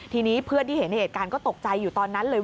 ทีนี้เพื่อนที่เห็นเหตุการณ์ก็ตกใจอยู่ตอนนั้นเลย